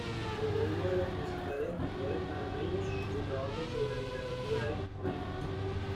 Como uno de los principales escritores panameños, su trabajo sobre literatura es prolífico.